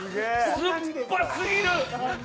酸っぱすぎる！